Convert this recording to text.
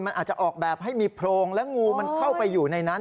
มันอาจจะออกแบบให้มีโพรงและงูมันเข้าไปอยู่ในนั้น